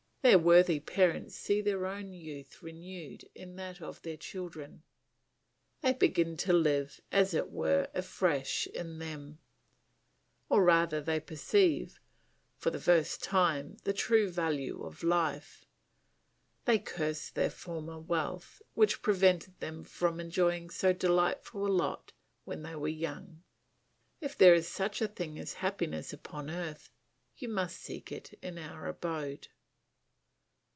Their worthy parents see their own youth renewed in that of their children; they begin to live, as it were, afresh in them; or rather they perceive, for the first time, the true value of life; they curse their former wealth, which prevented them from enjoying so delightful a lot when they were young. If there is such a thing as happiness upon earth, you must seek it in our abode.